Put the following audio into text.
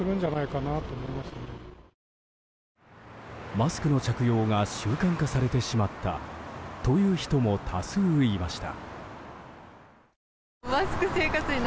マスクの着用が習慣化されてしまったという人も多数いました。